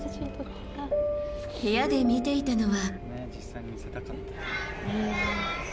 部屋で見ていたのは。